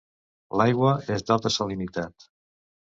L’aigua és d’alta salinitat.